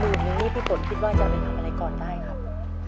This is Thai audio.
นึงนี่พี่ฝนคิดว่าจะไปทำอะไรก่อนได้ครับ